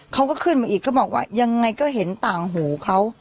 เขาก็ขึ้นมาอีกก็บอกว่ายังไงก็เห็นต่างหูเขา